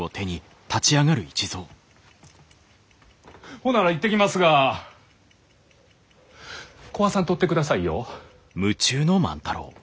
ほんなら行ってきますが壊さんとってくださいよ。